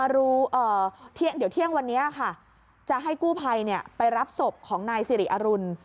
เดี๋ยวเที่ยงวันนี้ค่ะจะให้กู้ภัยไปรับศพของนายสิริอรุณ